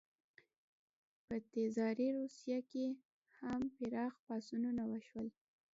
په تزاري روسیه کې هم پراخ پاڅونونه وشول.